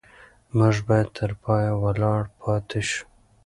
موږ باید تر پایه ولاړ پاتې شو.